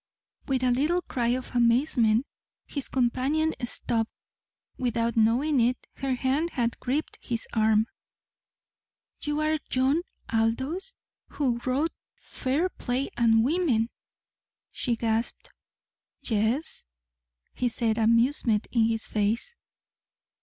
With a little cry of amazement, his companion stopped. Without knowing it, her hand had gripped his arm. "You are John Aldous who wrote 'Fair Play,' and 'Women!'" she gasped. "Yes," he said, amusement in his face.